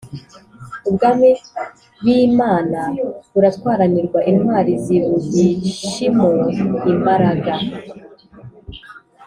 Ubwami b’imana buratwaranirwa intwari zibugishimo imbaraga